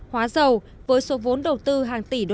hóa dầu với số vốn đầu tư hàng tỷ usd